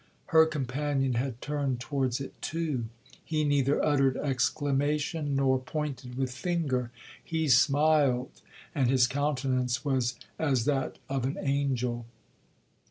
Her companion had turned towards it too. He neither uttered exclamation, nor pointed with finger,—he smiled, and his countenance was as that of an angel.